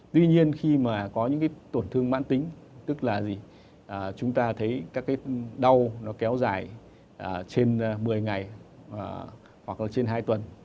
tuy nhiên khi mà có những cái tổn thương mãn tính tức là gì chúng ta thấy các cái đau nó kéo dài trên một mươi ngày hoặc là trên hai tuần